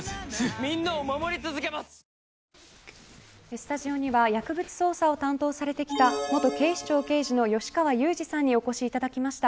スタジオには薬物捜査を担当されてきた元警視庁刑事の吉川祐二さんにお越しいただきました。